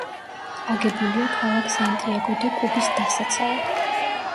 აგებულია ქალაქ სანტიაგო-დე-კუბის დასაცავად.